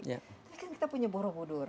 tapi kan kita punya borobudur